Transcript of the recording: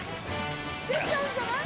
出ちゃうんじゃない？